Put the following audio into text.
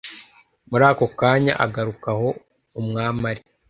muri ako kanya agaruka aho umwami ari